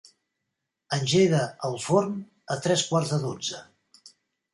Engega el forn a tres quarts de dotze.